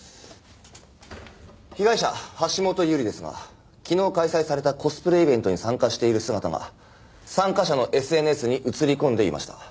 被害者橋本優里ですが昨日開催されたコスプレイベントに参加している姿が参加者のＳＮＳに写り込んでいました。